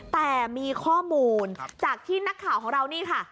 แต่มีข้อมูลจากที่นักข่าวของเรานี่ค่ะ